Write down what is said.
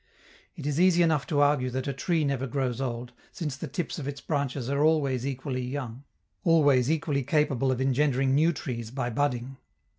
It is easy enough to argue that a tree never grows old, since the tips of its branches are always equally young, always equally capable of engendering new trees by budding.